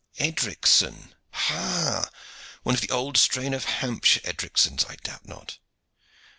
Edricson! Ha! one of the old strain of Hampshire Edricsons, I doubt not.